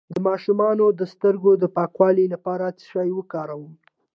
د ماشوم د سترګو د پاکوالي لپاره څه شی وکاروم؟